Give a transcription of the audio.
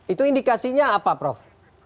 itu indikasinya apa prof